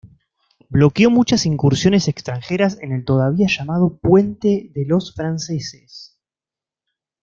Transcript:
Bloqueó muchas incursiones extranjeras en el todavía llamado "Puente de los Franceses".